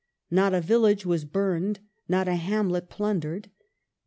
Not a vil lage was burned, not a hamlet plundered.